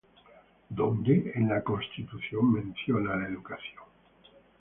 ¿Dónde, en la Constitución, menciona la educación?